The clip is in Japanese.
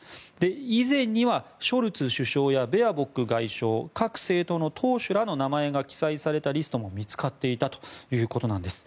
以前には、ショルツ首相やベアボック外相各政党の党首らの名前が記載されたリストが見つかっていたということです。